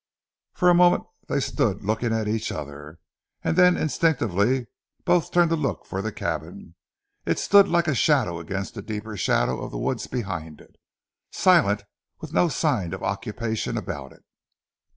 For a moment they stood looking at each other, and then instinctively both turned to look for the cabin. It stood like a shadow against the deeper shadow of the woods behind it, silent, and with no sign of occupation about it.